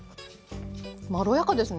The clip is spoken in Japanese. まろやかですね。